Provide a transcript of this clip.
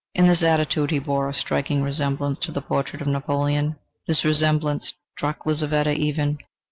In this attitude he bore a striking resemblance to the portrait of Napoleon. This resemblance struck Lizaveta even.